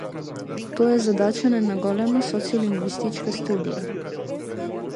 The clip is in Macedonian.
Тоа е задача на една голема социолингвистичка студија.